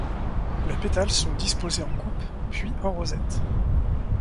Les pétales sont disposés en coupes puis en rosettes.